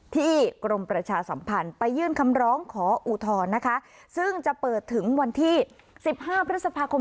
ที่กรมประชาสัมพันธ์ไปยื่นคำร้องขออุทธรณ์นะคะ